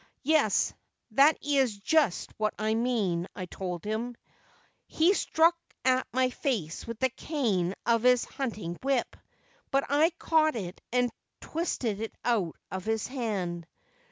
"Yes, that is just what I mean,'' 1 I told him. He struck at my face with the cane of his hunting whip, but I caught it and twisted it out of his hand.